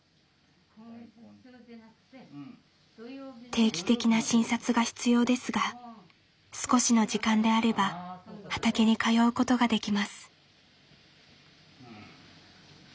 定期的な診察が必要ですが少しの時間であれば畑に通うことができます。